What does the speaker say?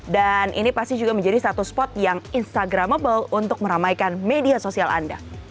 dan ini pasti juga menjadi satu spot yang instagramable untuk meramaikan media sosial anda